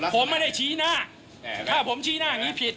ผมไม่ได้ชี้หน้าถ้าผมชี้หน้าอย่างนี้ผิด